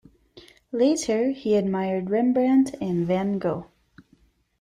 Later he admired Rembrandt and Van Gogh.